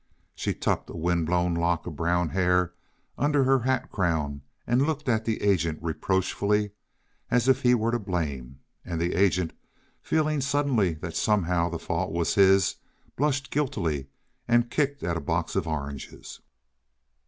She tucked a wind blown lock of brown hair under her hat crown and looked at the agent reproachfully, as if he were to blame, and the agent, feeling suddenly that somehow the fault was his, blushed guiltily and kicked at a box of oranges.